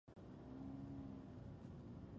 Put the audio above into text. ټوسټ ډوډۍ د وینې شکره متوازنه ساتي.